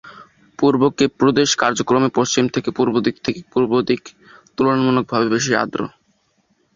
পূর্ব Cape প্রদেশ কার্যক্রমে পশ্চিম থেকে পূর্ব দিক তুলনামূলকভাবে বেশি আর্দ্র।